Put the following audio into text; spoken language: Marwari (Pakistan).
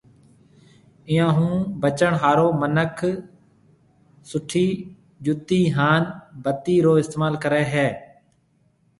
ايئون ھون بچڻ ھارو منک سُٺي جُتِي ھان بتِي رو استعمال ڪرَي ھيََََ